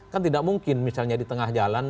kan tidak mungkin misalnya di tengah jalan